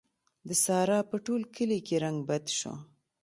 د سارا په ټول کلي کې رنګ بد شو.